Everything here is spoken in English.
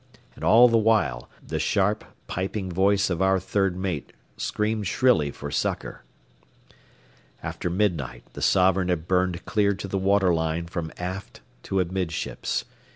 And all the while, the sharp, piping voice of our third mate screamed shrilly for succor. After midnight the Sovereign had burned clear to the water line from aft to amidships.